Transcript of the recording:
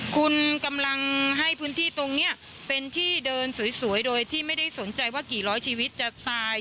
คุณกำลังให้พื้นที่ตรงนี้เป็นที่เดินสวยโดยที่ไม่ได้สนใจว่ากี่ร้อยชีวิตจะตาย